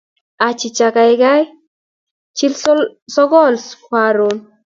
Achicha, gaigai chil sogol koron